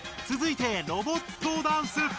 つづいてロボットダンス！